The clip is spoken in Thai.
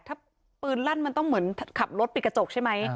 ถ้าปืนลั่นมันต้องเหมือนขับรถปิดกระจกใช่ไหม